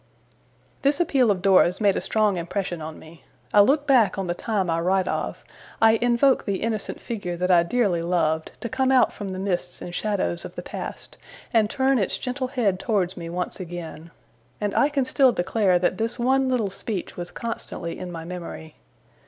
This appeal of Dora's made a strong impression on me. I look back on the time I write of; I invoke the innocent figure that I dearly loved, to come out from the mists and shadows of the past, and turn its gentle head towards me once again; and I can still declare that this one little speech was constantly in my memory.